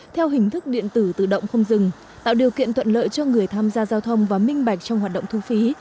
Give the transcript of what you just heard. theo hình thức điện tử tự động không dừng tạo điều kiện thuận lợi cho người tham gia giao thông và minh bạch trong hoạt động thu phí